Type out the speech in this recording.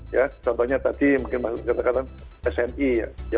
ya contohnya tadi mungkin mengatakan sni ya